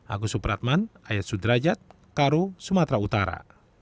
agus supratman ayat sudrajad karu sumatera utara